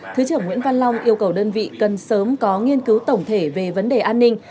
thứ trưởng nguyễn văn long yêu cầu đơn vị cần sớm có nghiên cứu tổng thể về vấn đề an ninh